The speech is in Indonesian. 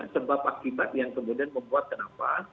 sebab akibat yang kemudian membuat kenapa